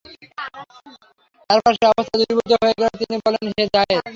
তারপর সে অবস্থা দূরীভূত হয়ে গেলে তিনি বললেন, হে যায়েদ।